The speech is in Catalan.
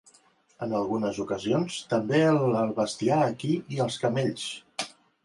En algunes ocasions també el bestiar equí i els camells.